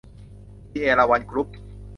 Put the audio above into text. ดิ เอราวัณ กรุ๊ป